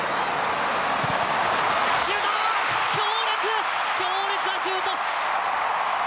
強烈なシュート！